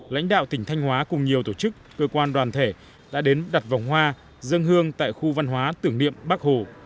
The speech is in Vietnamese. lãnh đạo tỉnh thanh hóa cùng nhiều tổ chức cơ quan đoàn thể đã đến đặt vòng hoa dân hương tại khu văn hóa tưởng niệm bắc hồ